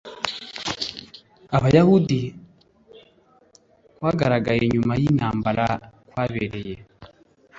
Abayahudi kwagaragaye nyuma y'intambara, kwabereye